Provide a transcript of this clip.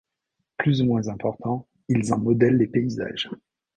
Plus ou moins importants, ils en modèlent les paysages.